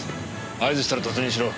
合図したら突入しろ。